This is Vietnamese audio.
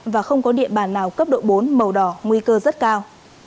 và không có địa bàn nào cấp độ bốn màu đỏ nguy cơ rất cao